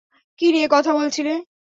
কী নিয়ে কথা বলছিলে?